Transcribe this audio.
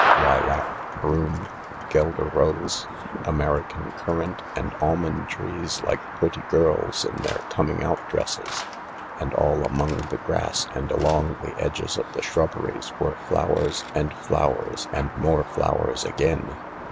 Lilac, broom, gueldre rose, American currant, and almond trees like pretty girls in their coming out dresses. And all among the grass and along the edges of the shrubberies were flowers, and flowers, and more flowers again.